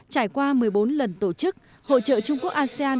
trải qua một mươi bốn lần tổ chức hội trợ trung quốc asean